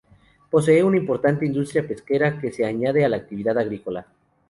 Posee una importante industria pesquera, que se añade a la actividad agrícola.